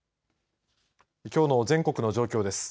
きょうの全国の状況です。